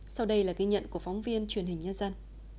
sau đây là ghi nhận của phóng viên truyền hình nhân dân